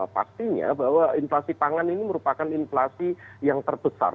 pastinya bahwa inflasi pangan ini merupakan inflasi yang terbesar